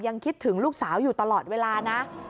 คิดถึงลูกสาวอยู่ตลอดเวลานะ